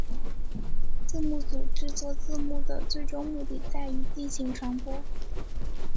字幕组制作字幕的最终目的在于进行传播。